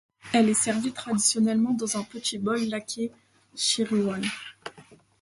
Elle est servie traditionnellement dans un petit bol laqué shiru-wan.